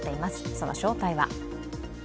その正体は？